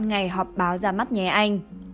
ngày họp báo ra mắt nhé anh